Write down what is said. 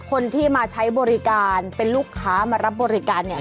คนที่มาใช้บริการเป็นลูกค้ามารับบริการเนี่ย